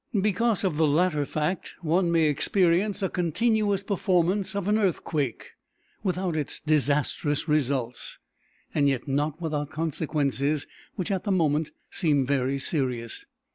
Because of the latter fact one may experience a "continuous performance" of an earthquake without its disastrous results, and yet not without consequences which at the moment seem very serious.